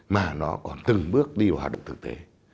mà nó còn từng bước đi vào hoạt động thực tế